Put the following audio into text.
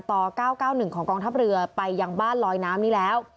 ๙๙๑ของกองทัพเรือไปยังบ้านลอยน้ำนี้แล้ว